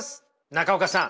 中岡さん。